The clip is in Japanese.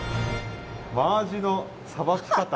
「マアジのさばきかた」。